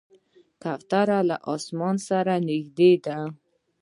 کوتره له اسمان سره نږدې ده.